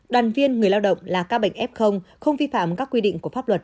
đoàn viên người lao động là các bệnh f không vi phạm các quy định của pháp luật